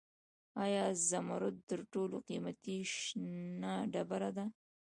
آیا زمرد تر ټولو قیمتي شنه ډبره ده؟